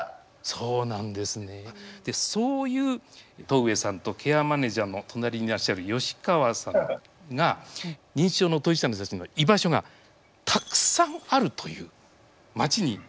そうなんですねそういう戸上さんとケアマネジャーの隣にいらっしゃる吉川さんが認知症の当事者の人たちの居場所がたくさんあるという町に行ってくださいました。